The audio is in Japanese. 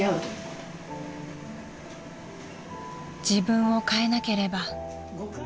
［自分を変えなければ］